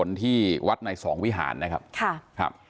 เป็นกุศลที่วัดในสองวิหารนะครับ